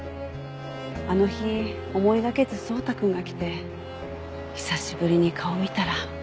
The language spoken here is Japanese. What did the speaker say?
あの日思いがけず草太くんが来て久しぶりに顔見たら。